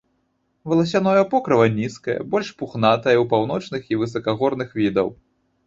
Валасяное покрыва нізкае, больш пухнатае ў паўночных і высакагорных відаў.